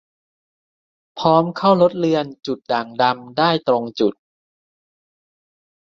พร้อมเข้าลดเลือนจุดด่างดำได้ตรงจุด